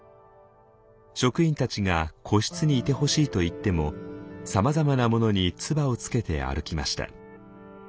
職員たちが個室にいてほしいと言ってもさまざまなものに唾をつけて歩きました。